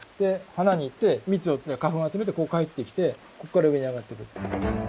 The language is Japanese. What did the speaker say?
花に行って蜜を花粉を集めて帰ってきてこっから上に上がってくる。